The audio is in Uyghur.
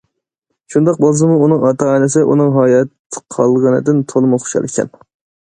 شۇنداق بولسىمۇ ئۇنىڭ ئاتا- ئانىسى ئۇنىڭ ھايات قالغىنىدىن تولىمۇ خۇشال ئىكەن.